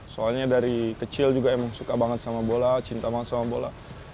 soalnya dari kecil juga emang suka banget sama bola cinta banget sama bola